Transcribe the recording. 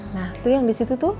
nah tuh yang di situ tuh